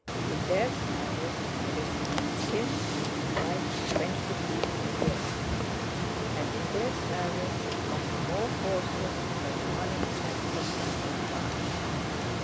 In their service he risked his skin and his life twenty times a year, and in their service had lost more horses than the money he had from them would buy.